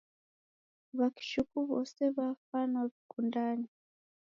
W'akichuku w'ose w'afanwa w'ikundane